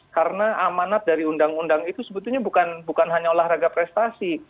karena amanat dari undang undang itu sebetulnya bukan hanya olahraga prestasi